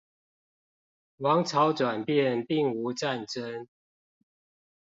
王朝轉變並無戰爭